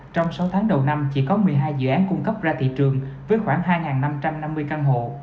trong sáu tháng đầu năm chỉ có một mươi hai dự án cung cấp ra thị trường với khoảng hai năm trăm năm mươi căn hộ